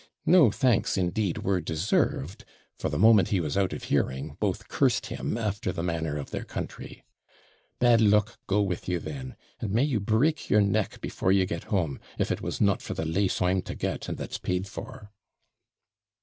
No thanks, indeed, were deserved; for the moment he was out of hearing, both cursed him after the manner of their country. 'Bad luck go with you, then! And may you break your neck before you get home, if it was not for the LASE I'm to get, and that's paid for.'